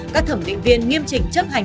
các thẩm định viên nghiêm trình chấp hành